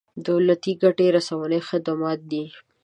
دولتي ګټې رسونې خدمات دي.